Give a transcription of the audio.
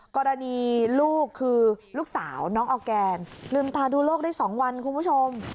กรณีลูกคือลูกสาวน้องออร์แกนลืมตาดูโลกได้๒วันคุณผู้ชม